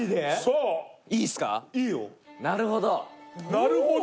なるほど？